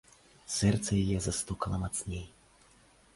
Сэрца яе застукала мацней.